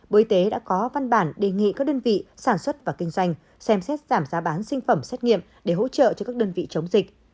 bộ y tế đã có văn bản đề nghị các đơn vị sản xuất và kinh doanh xem xét giảm giá bán sinh phẩm xét nghiệm để hỗ trợ cho các đơn vị chống dịch